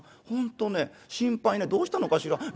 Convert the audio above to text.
『本当ね心配ねどうしたのかしら』。